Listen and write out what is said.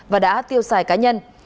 và đã tiêu xài cá nhân